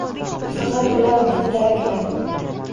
Faqat ular meni daraklar.